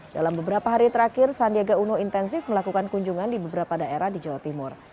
dalam beberapa hari terakhir sandiaga uno intensif melakukan kunjungan di beberapa daerah di jawa timur